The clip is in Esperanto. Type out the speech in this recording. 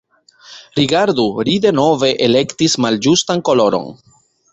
"Rigardu, ri denove elektis malĝustan koloron!"